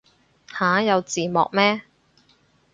吓有字幕咩